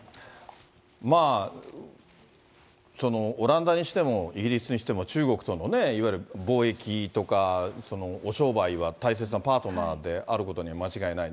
まあ、オランダにしてもイギリスにしても、中国とのいわゆる貿易とかお商売は大切なパートナーであることには間違いない。